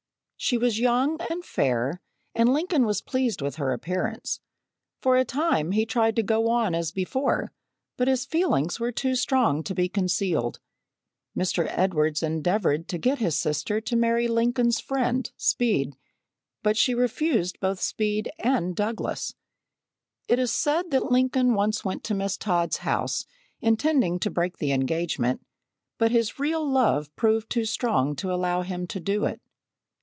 She was young and fair, and Lincoln was pleased with her appearance. For a time he tried to go on as before, but his feelings were too strong to be concealed. Mr. Edwards endeavoured to get his sister to marry Lincoln's friend, Speed, but she refused both Speed and Douglas. It is said that Lincoln once went to Miss Todd's house, intending to break the engagement, but his real love proved too strong to allow him to do it.